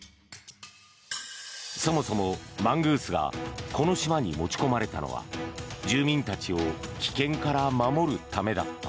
そもそもマングースがこの島に持ち込まれたのは住民たちを危険から守るためだった。